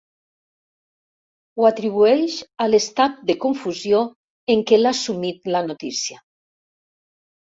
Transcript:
Ho atribueix a l'estat de confusió en què l'ha sumit la notícia.